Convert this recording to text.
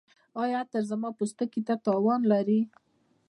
ایا عطر زما پوستکي ته تاوان لري؟